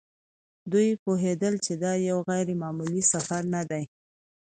دوی پوهېدل چې دا یو غیر معمولي سفر نه دی.